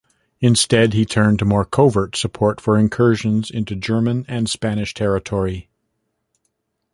Instead, he turned to more covert support for incursions into German and Spanish territory.